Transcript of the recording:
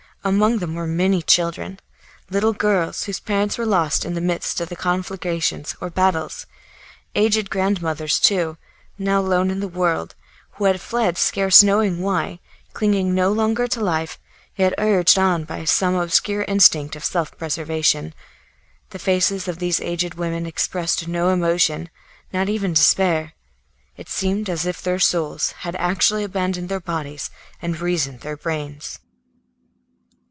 Among them were many children, little girls, whose parents were lost in the midst of conflagrations or battles; aged grandmothers, too, now alone in the world, who had fled, scarce knowing why, clinging no longer to life, yet urged on by some obscure instinct of self preservation. The faces of these aged women expressed no emotion, not even despair; it seemed as if their souls had actually abandoned their bodies and reason their brains.